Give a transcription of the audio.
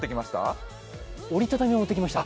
折り畳みは持ってきました。